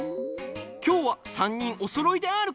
きょうは３にんおそろいであるかドン？